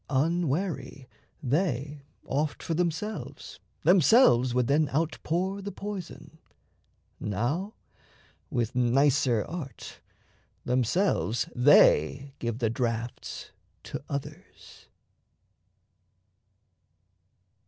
Unwary, they Oft for themselves themselves would then outpour The poison; now, with nicer art, themselves They give the drafts to others.